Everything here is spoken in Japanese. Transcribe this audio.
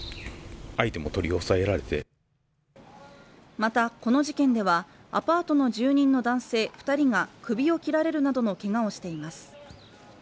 また、この事件では、アパートの住人の男性２人が首を切られるなどのけがをしています。